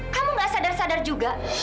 kamu gak sadar sadar juga